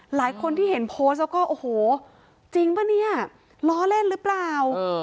หลายคนที่เห็นโพสต์แล้วก็โอ้โหจริงป่ะเนี่ยล้อเล่นหรือเปล่า